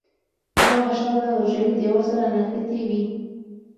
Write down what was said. دا غشا له حجروي دیوال سره نښتې وي.